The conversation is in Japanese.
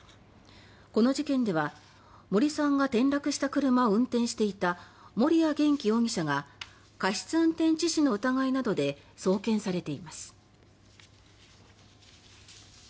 この事件では、森さんが転落した車を運転していた森谷元気容疑者が過失運転致死の疑いなどで送検されています。